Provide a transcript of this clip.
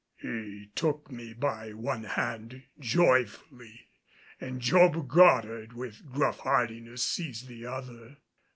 He took me by one hand joyfully, and Job Goddard with gruff heartiness seized the other.